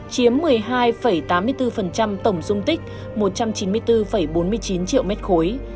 chiếm một mươi hai tám mươi bốn tổng dung tích một trăm chín mươi bốn bốn mươi chín triệu mét khối